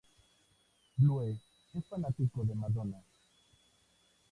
Blue es fanático de Madonna.